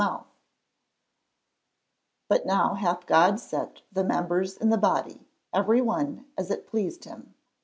[Verse: "But now hath God set the members in the body, every one as it pleased him."